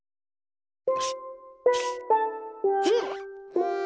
うん！